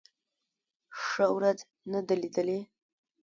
ښه ورځ نه ده لېدلې.